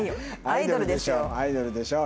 アイドルでしょ